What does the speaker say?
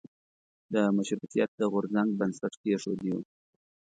د مشروطیت د غورځنګ بنسټ کېښودیو.